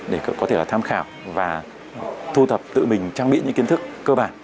để có thể tham khảo và thu thập tự mình trang bị những kiến thức cơ bản